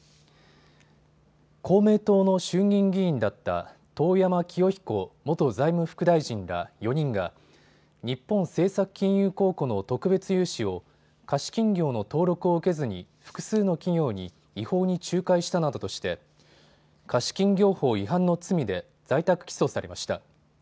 公明党の衆議院議員だった遠山清彦元財務副大臣ら４人が日本政策金融公庫の特別融資を貸金業の登録を受けずに複数の企業に違法に仲介したなどとして貸金業法違反の罪で在宅起訴されました。